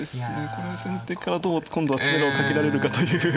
これ先手からどう今度は詰めろをかけられるかという。